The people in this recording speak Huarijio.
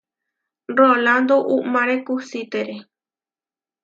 Rolando uʼmáre kusítere.